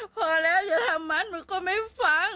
พอแล้วอย่าทำมันหนูก็ไม่ฟัง